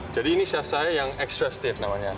jadi ini chef saya yang extra stiff namanya